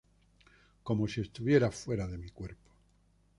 Como si estuviera fuera de mi cuerpo.